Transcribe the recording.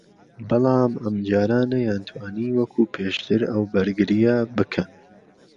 بەڵام ئەمجارە نەیانتوانی وەکو پێشتر ئەو بەرگرییە بکەن